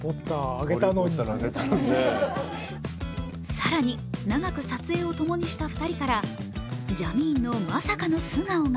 更に長く撮影をともにした２人からジャミーンのまさかの素顔が